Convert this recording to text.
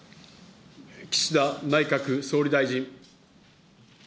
岸田内閣総理大臣。